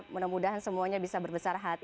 mudah mudahan semuanya bisa berbesar hati